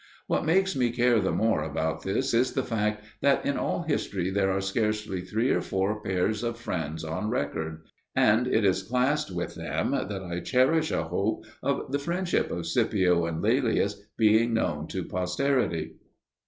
What makes me care the more about this is the fact that in all history there are scarcely three or four pairs of friends on record; and it is classed with them that I cherish a hope of the friendship of Scipio and Laelius being known to posterity.